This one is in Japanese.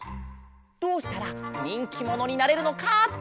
どうしたらにんきものになれるのかってはなし。